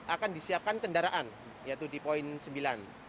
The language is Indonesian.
akan disiapkan kendaraan yaitu di poin sembilan